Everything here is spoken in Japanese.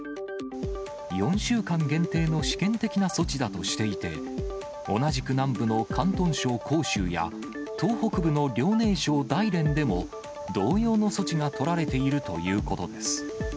４週間限定の試験的な措置だとしていて、同じく南部の広東省広州や、東北部の遼寧省大連でも、同様の措置が取られているということです。